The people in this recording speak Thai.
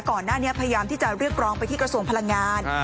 ก่อนหน้านี้พยายามที่จะเรียกร้องไปที่กระทรวงพลังงาน